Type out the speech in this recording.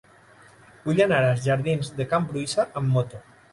Vull anar als jardins de Can Bruixa amb moto.